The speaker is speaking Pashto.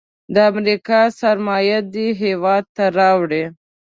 د امریکا سرمایه دې هیواد ته راوړي.